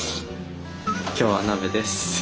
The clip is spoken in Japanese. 今日は鍋です。